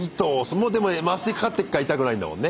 もうでも麻酔かかってっから痛くないんだもんね。